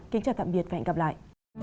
kính chào tạm biệt và hẹn gặp lại